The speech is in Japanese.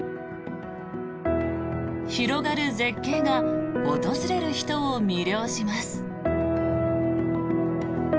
広がる絶景が訪れる人を魅了します。